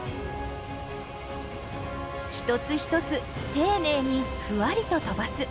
一つ一つ丁寧にふわりと飛ばす。